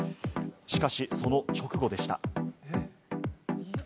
しかし、その直後でした。